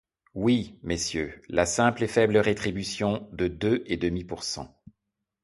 Oui, messieurs, la simple et faible rétribution de deux et demi pour cent.